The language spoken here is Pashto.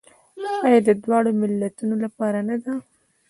آیا د دواړو ملتونو لپاره نه ده؟